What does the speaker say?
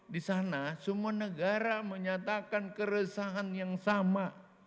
di sana semua negara menyatakan keresahan yang sama